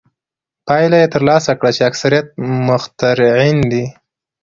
پایله یې ترلاسه کړه چې اکثریت مخترعین.